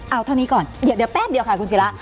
เอาเท่านี้ก่อนเดี๋ยวแป๊บเดียวค่ะคุณศิระ